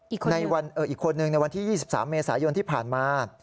อีกคนนึงในวันที่๒๓เมษายนที่ผ่านมา